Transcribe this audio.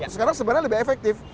sekarang sebenarnya lebih efektif